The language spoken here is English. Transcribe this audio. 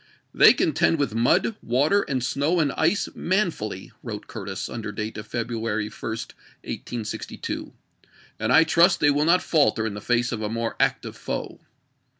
" They contend with mud, water, and snow and ice manfully," wrote Curtis under date of February 1, 1862, " and I trust they will not falter in the face of a more active foe."